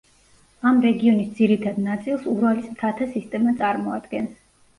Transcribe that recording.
ამ რეგიონის ძირითად ნაწილს ურალის მთათა სისტემა წარმოადგენს.